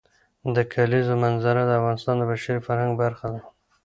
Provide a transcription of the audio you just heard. د کلیزو منظره د افغانستان د بشري فرهنګ برخه ده.